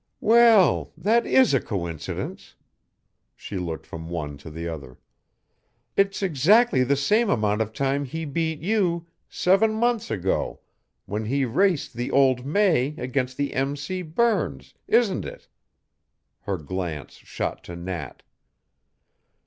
"Well, that is a coincidence." She looked from one to the other. "It's exactly the same amount of time he beat you seven months ago when he raced the old May against the M. C. Burns, isn't it?" Her glance shot to Nat.